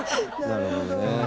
なるほどね。